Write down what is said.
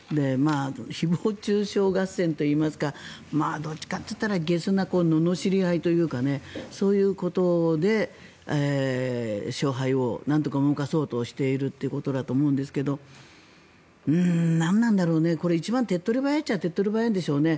誹謗中傷合戦といいますかどっちかって言ったらげすな罵り合いというかそういうことで勝敗をなんとか動かそうとしているということだと思うんですが一番手っ取り早いっちゃ手っ取り早いんでしょうね。